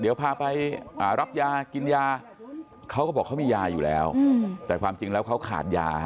เดี๋ยวพาไปรับยากินยาเขาก็บอกเขามียาอยู่แล้วแต่ความจริงแล้วเขาขาดยา